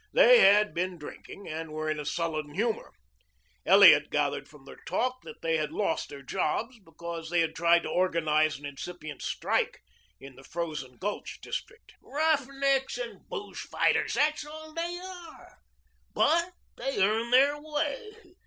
They had been drinking, and were in a sullen humor. Elliot gathered from their talk that they had lost their jobs because they had tried to organize an incipient strike in the Frozen Gulch district. "Roughnecks and booze fighters that's all they are. But they earn their way.